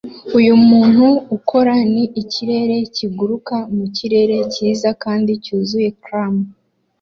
Uyu muntu ukora ni ikirere kiguruka mu kirere cyiza kandi cyuzuye clam